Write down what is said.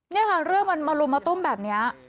นี่ค่ะเรื่องมันมาลุมมาตุ้มแบบนี้